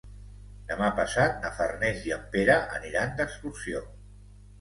Demà passat na Farners i en Pere aniran d'excursió.